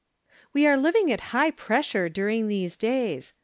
j We are living at Mgh pressure during tliese days.